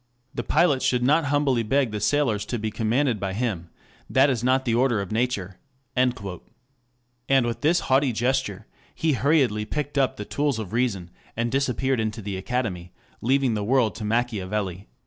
The pilot should not humbly beg the sailors to be commanded by him that is not the order of nature." And with this haughty gesture, he hurriedly picked up the tools of reason, and disappeared into the Academy, leaving the world to Machiavelli.